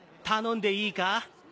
頼んでいいか？